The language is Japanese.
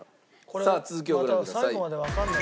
さあ続きをご覧ください。